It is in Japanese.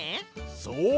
そう。